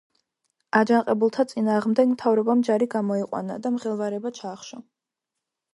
აჯანყებულთა წინააღმდეგ მთავრობამ ჯარი გამოიყვანა და მღელვარება ჩაახშო.